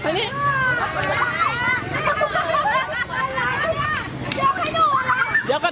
เดี๋ยวกัน